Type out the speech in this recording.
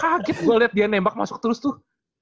kaget gue lihat dia nembak masuk terus tuh